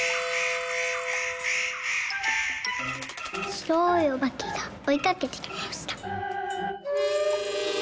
「しろいおばけがおいかけてきました」。